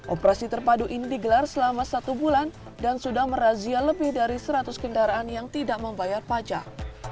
operasi terpadu ini digelar selama satu bulan dan sudah merazia lebih dari seratus kendaraan yang tidak membayar pajak